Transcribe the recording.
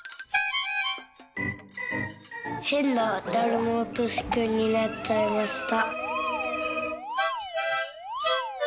「へんなだるまおとしくんになっちゃいました」。